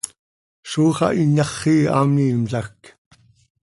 Zó xah inyaxii hamiimlajc.